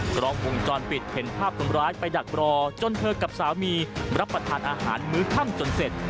กล้องวงจรปิดเห็นภาพคนร้ายไปดักรอจนเธอกับสามีรับประทานอาหารมื้อค่ำจนเสร็จ